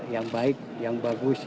yang baik yang bagus